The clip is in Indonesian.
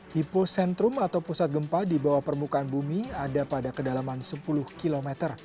hipocentrum atau pusat gempa di bawah permukaan bumi ada pada kedalaman sepuluh km